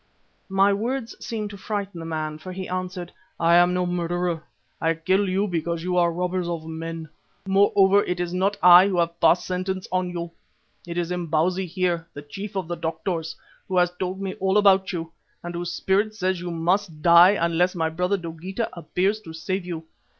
My words seemed to frighten the man, for he answered: "I am no murderer. I kill you because you are robbers of men. Moreover, it is not I who have passed sentence on you. It is Imbozwi here, the chief of the doctors, who has told me all about you, and whose spirit says you must die unless my brother Dogeetah appears to save you.